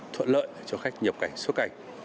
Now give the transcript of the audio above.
thuận lợi cho khách nhập cảnh xuất cảnh